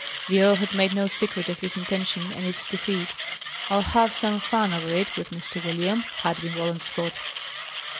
The earl had made no secret of his intention and its defeat. "I'll have some fun over it with Mr. William," had been Roland's thought.